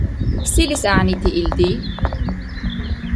Селис гӏягӏнити илди?